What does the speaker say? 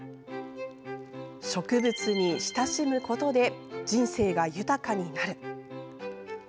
「植物に親しむことで人生が豊かになる」。